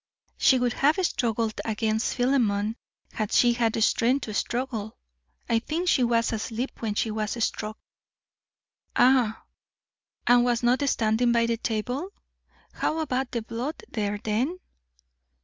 "She would have struggled against Philemon had she had strength to struggle. I think she was asleep when she was struck." "Ah! And was not standing by the table? How about the blood there, then?"